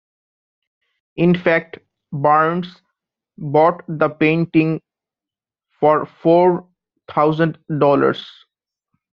In fact, Barnes bought the painting for four thousand dollars.